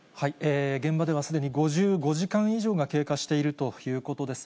現場ではすでに５５時間以上が経過しているということです。